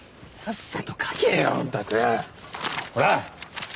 ほら！